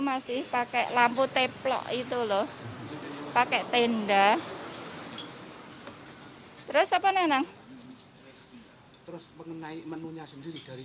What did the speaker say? masih pakai lampu teplok itu loh pakai tenda hai terus apa nanang terus mengenai menunya sendiri dari